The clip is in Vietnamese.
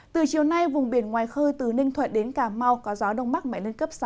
từ chiều nay vùng biển ngoài khơi từ ninh thuận đến cà mau có gió đông bắc mạnh lên cấp sáu